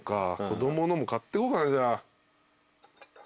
子供のも買ってこうかなじゃあ。